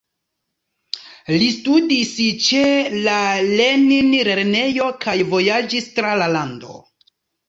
Li studis ĉe la Lenin-lernejo kaj vojaĝis tra la lando.